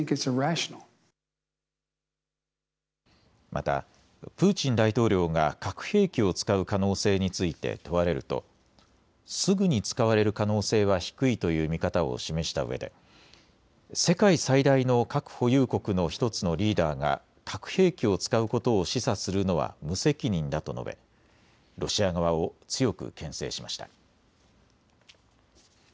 またプーチン大統領が核兵器を使う可能性について問われるとすぐに使われる可能性は低いという見方を示したうえで世界最大の核保有国の１つのリーダーが核兵器を使うことを示唆するのは無責任だと述べ、ロシア側を強くけん制しました。